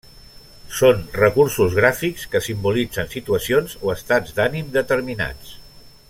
Són recursos gràfics que simbolitzen situacions o estats d'ànim determinats.